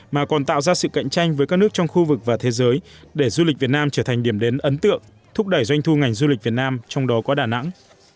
mà còn tạo ra sự cạnh tranh với các nước trong khu vực và thế giới để du lịch việt nam trở thành điểm đến ấn tượng thúc đẩy doanh thu ngành du lịch việt nam trong đó có đà nẵng